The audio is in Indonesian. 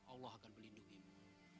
allah akan melindungimu